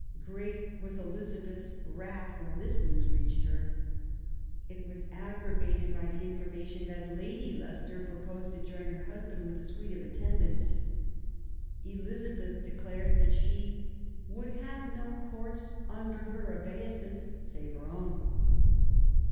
Great was Elizabeth's wrath when this news reached her. It was aggravated by the information that Lady Leicester proposed to join her husband with a suite of attendants. Elizabeth declared that she " would have no Courts under her obeisance save her own